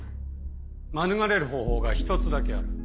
免れる方法が１つだけある。